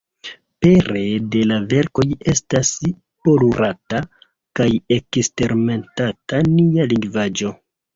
Pere de la verkoj estas polurata kaj eksperimentata nia lingvaĵo.